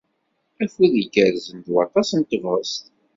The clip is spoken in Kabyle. Afud igerrzen d waṭas n tebɣest.